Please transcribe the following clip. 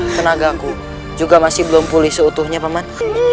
tenagaku juga masih belum pulih seutuhnya paman